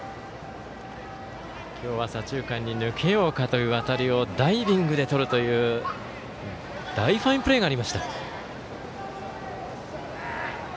今日は左中間に抜けようかという当たりをダイビングでとるという大ファインプレーがありました。